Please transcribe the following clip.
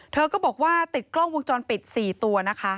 เธอก็บอกว่าติดกล้องวงจรปิด๔ตัวนะคะ